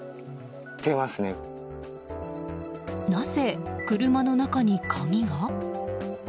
なぜ、車の中に鍵が？